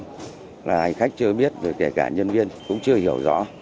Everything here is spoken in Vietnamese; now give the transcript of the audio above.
hành khách chưa biết rồi kể cả nhân viên cũng chưa hiểu rõ